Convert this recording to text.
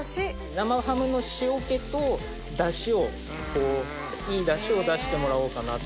生ハムの塩気とだしをいいだしを出してもらおうかなと思いまして。